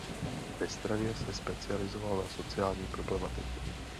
Ve straně se specializoval na sociální problematiku.